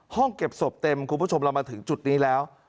ห้องเก็บศพเต็มคุณผู้ชมเรามาถึงจุดนี้แล้ว